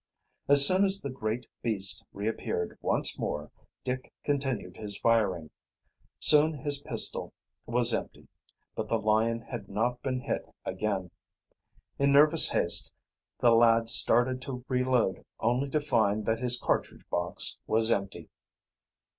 As soon as the great beast reappeared once more Dick continued his firing. Soon his pistol was empty, but the lion had not been hit again. In nervous haste the lad started to re load only to find that his cartridge box was empty.